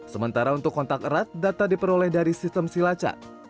sementara untuk kontak erat data diperoleh dari sistem silacak